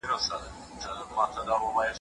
آدم ع ته د شيانو حقايق وښودل سول.